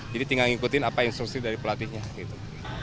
jadi tinggal ngikutin apa instruksi dari pelatihnya gitu